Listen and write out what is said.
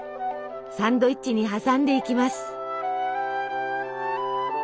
サンドイッチに挟んでいきます。